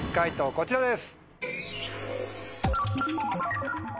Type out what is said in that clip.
こちらです。